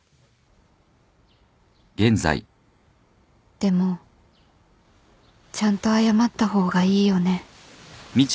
でもちゃんと謝った方がいいよね